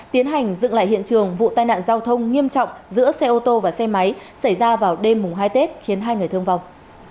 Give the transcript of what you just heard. tiến hành dựng lại hiện trường vụ tai nạn giao thông nghiêm trọng giữa xe ô tô và xe máy xảy ra vào đêm hai tết khiến hai người thương vong